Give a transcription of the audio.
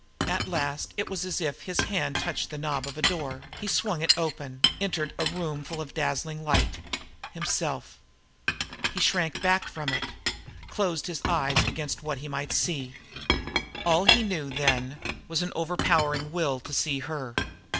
At last it was as if his hand touched the knob of a door; he swung it open, entered a room full of dazzling light himself. He shrank back from it; closed his eyes against what he might see. All he knew, then, was an overpowering will to see her.